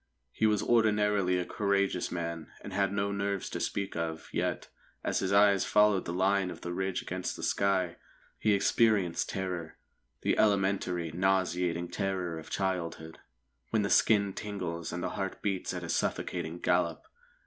He was ordinarily a courageous man, and had no nerves to speak of; yet, as his eyes followed the line of the ridge against the sky, he experienced terror, the elementary, nauseating terror of childhood, when the skin tingles, and the heart beats at a suffocating gallop.